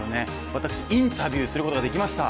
私、インタビューすることができました。